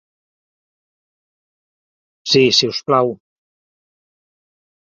Si si us plau!